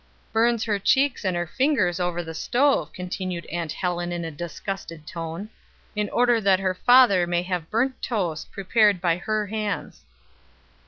"Burns her cheeks and her fingers over the stove," continued Aunt Helen in a disgusted tone, "in order that her father may have burnt toast prepared by her hands."